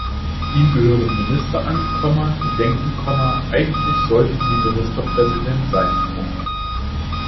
Ihm gehören Minister an, die denken, eigentlich sollten sie Ministerpräsident sein.